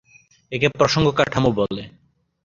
একে প্রসঙ্গ কাঠামো বলে।